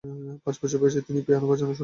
পাঁচ বছর বয়সে তিনি পিয়ানো বাজানো শুরু করেন।